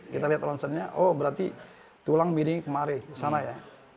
kita lihat ronsennya oh berarti tulang miring kemarin kesana ya